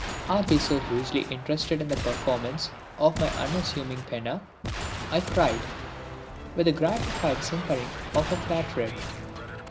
"Are they so hugely interested in the performances of my unassuming penna?" I cried, with the gratified simpering of a flattered.